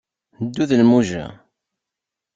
Ddu d lmuja!